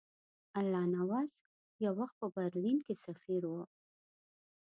الله نواز یو وخت په برلین کې سفیر وو.